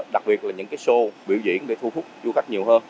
đặc biệt là những cái show biểu diễn để thu hút du khách nhiều hơn